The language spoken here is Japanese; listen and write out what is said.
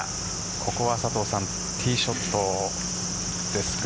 ここは、佐藤さんティーショットですか。